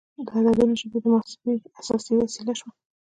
د عددونو ژبه د محاسبې اساسي وسیله شوه.